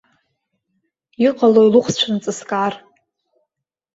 Иҟалои лыхәцә нҵыскаар.